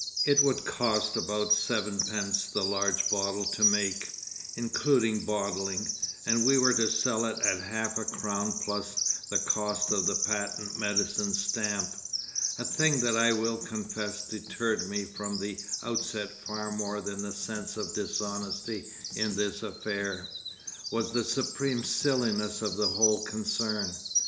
It would cost about sevenpence the large bottle to make, including bottling, and we were to sell it at half a crown plus the cost of the patent medicine stamp. A thing that I will confess deterred me from the outset far more than the sense of dishonesty in this affair, was the supreme silliness of the whole concern.